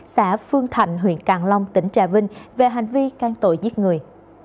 xã phương thạnh huyện càng long tỉnh trà vinh về hành vi can tội giết người